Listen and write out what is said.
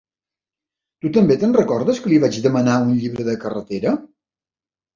Tu també te'n recordes que li vaig demanar un llibre de carretera?